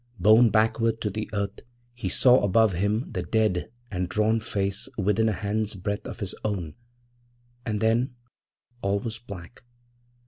Borne backward to the earth, he saw above him the dead and drawn face within a hand's breadth of his own, and then all was black.